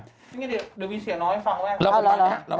ชิคกี้พายเดี๋ยววิธีเสียอ้อน้องให้ฟังแหละ